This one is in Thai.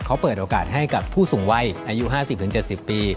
เขาเปิดโอกาสให้กับผู้สูงวัยอายุ๕๐๗๐ปี